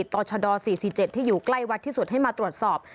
ต่อชด๔๔๗ที่อยู่ใกล้วัดที่สุดให้มาตรวจสอบ